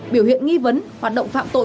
biểu hiện nghi vấn hoạt động phạm tội